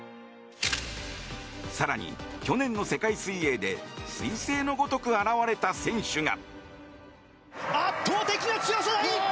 更に、去年の世界水泳で彗星のごとく現れた選手が。